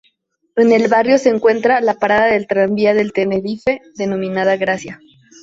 En el barrio se encuentra la parada del Tranvía de Tenerife denominada Gracia.